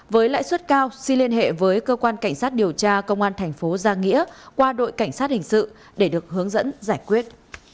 với lãi suất cao xin liên hệ với cơ quan cảnh sát điều tra công an thành phố gia nghĩa qua đội cảnh sát hình sự để được hướng dẫn giải quyết